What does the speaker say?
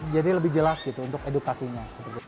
jadi lebih jelas gitu untuk edukasinya